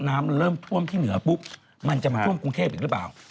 น้ำเริ่มท่วมที่เหนือปุ๊บมันจะมาท่วมกรุงเทพอีกหรือเปล่า